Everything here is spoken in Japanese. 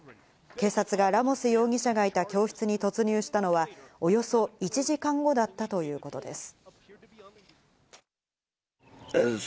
警察がラモス容疑者がいた教室に突入したのはおよそ１時間後だったということです。